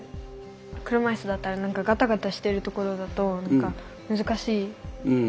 車いすだったら何かガタガタしてる所だと難しいよね。